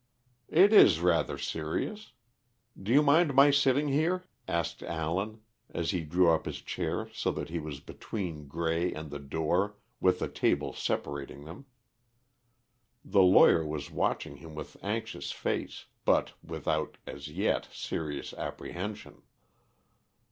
"It is rather serious. Do you mind my sitting here?" asked Allen, as he drew up his chair so that he was between Grey and the door, with the table separating them. The lawyer was watching him with anxious face, but without, as yet, serious apprehension.